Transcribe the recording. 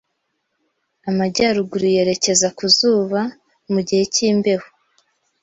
Amajyaruguru yerekeza ku zuba mu gihe cy'imbeho